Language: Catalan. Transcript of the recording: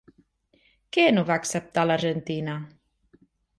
Què no va acceptar l'Argentina?